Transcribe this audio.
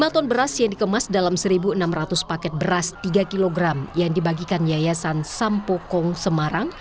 lima ton beras yang dikemas dalam satu enam ratus paket beras tiga kg yang dibagikan yayasan sampokong semarang